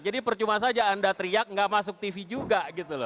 jadi percuma saja anda teriak tidak masuk tv juga